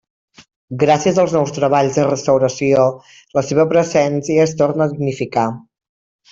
Gràcies als nous treballs de restauració la seva presència es torna a dignificar.